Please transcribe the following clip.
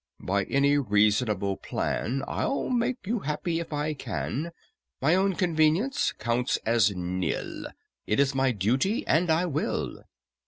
"By any reasonable plan I'll make you happy if I can; My own convenience count as nil: It is my duty, and I will."